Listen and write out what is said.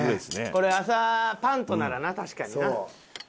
これ朝パンとならな確かにな。